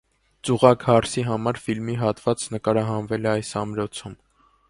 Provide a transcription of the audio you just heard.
«Ծուղակ հարսի համար» ֆիլմի հատված նկարահանվել է այս ամրոցում։